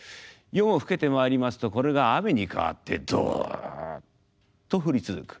夜も更けてまいりますとこれが雨に変わってドッと降り続く。